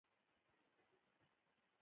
مرغۍ د ونو په څانګو کې ناستې دي